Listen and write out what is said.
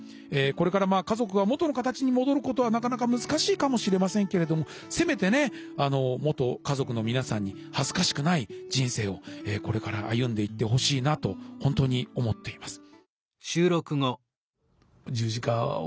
これからまあ家族が元の形に戻ることはなかなか難しいかもしれませんけれどもせめてね元家族の皆さんに恥ずかしくない人生をこれから歩んでいってほしいなと本当に思っています。